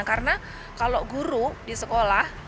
karena kalau guru di sekolah